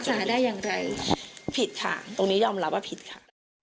ผิดค่ะตรงนี้ยอมรับว่าผิดค่ะ